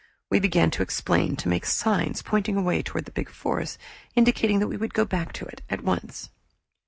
We began to explain, to make signs pointing away toward the big forest indicating that we would go back to it at once.